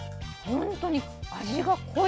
本当に味が濃い。